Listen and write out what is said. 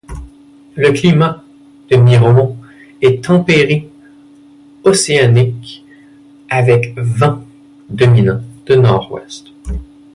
Le climat de Miraumont est tempéré océanique avec vents dominants de nord-ouest.